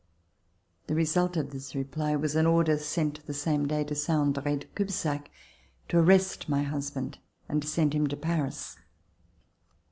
The result of this reply was an order, sent the same day, to Saint Andrc de Cubzac, to arrest my husband and send him to Paris.